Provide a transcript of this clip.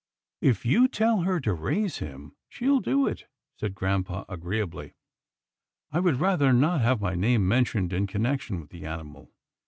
," If you tell her to raise him, she'll do it," said grampa agreeably. " I would rather not have my name mentioned in connection with the animal.